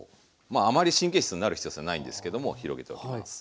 まああまり神経質になる必要性はないんですけども広げておきます。